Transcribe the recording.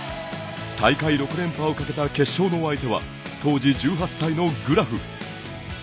大会６連覇を懸けた決勝の相手は当時１８歳のグラフ。